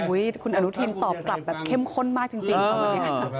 คุณอนุทินตอบกลับแบบเข้มข้นมากจริงค่ะวันนี้